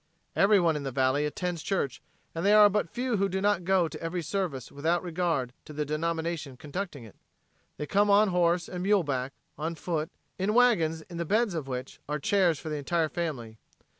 Everyone in the valley attends church and there are but few who do not go to every service without regard to the denomination conducting it. They come on horse and mule back, on foot, in wagons in the beds of which are chairs for the entire family.